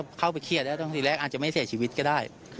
ถ้าเข้าไปเครียดตอนที่แรกอาจจะไม่เสียชีวิตก็ได้